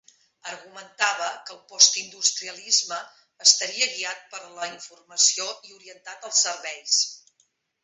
Argumentava que el postindustrialisme estaria guiat per la informació i orientat als serveis.